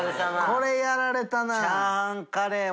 これやられたな。